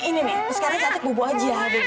ini nih terus sekarang cantik bobo aja ya